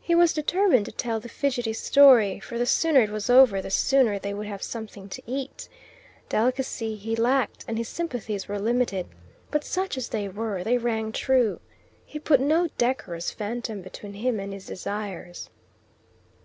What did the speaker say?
He was determined to tell the fidgety story, for the sooner it was over the sooner they would have something to eat. Delicacy he lacked, and his sympathies were limited. But such as they were, they rang true: he put no decorous phantom between him and his desires.